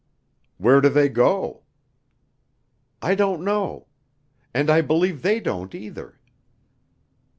"Where do they go?" "I don't know. And I believe they don't either.